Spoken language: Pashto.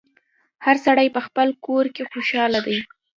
هر سړی په خپل کور کي خوشحاله دی